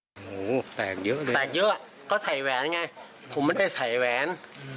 โอ้โหแตกเยอะเลยแตกเยอะก็ใส่แหวนไงผมไม่ได้ใส่แหวน